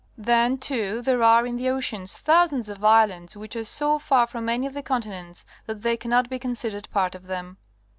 Then, too, there are, in the oceans, thousands of islands which are so far from any of the continents that they cannot be considered part of them.